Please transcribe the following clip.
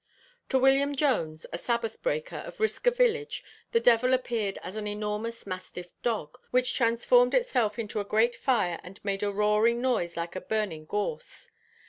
To William Jones, a sabbath breaker, of Risca village, the devil appeared as an enormous mastiff dog, which transformed itself into a great fire and made a roaring noise like burning gorse.